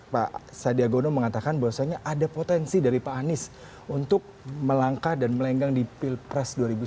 pak sandiagono mengatakan bahwasannya ada potensi dari pak anies untuk melangkah dan melenggang di pilpres dua ribu sembilan belas